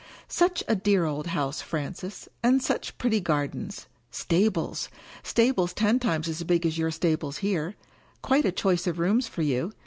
" Such a dear old house, Francis ; and such pretty gardens ! Sta bles ! Stables ten times as big as your stables here — quite a choice of rooms for you.